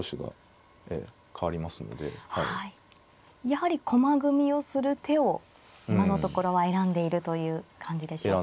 やはり駒組みをする手を今のところは選んでいるという感じでしょうか。